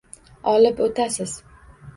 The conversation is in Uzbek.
Olib o’tasiz.